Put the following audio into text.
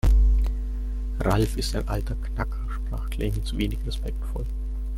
Ralf ist ein alter Knacker, sprach Clemens wenig respektvoll.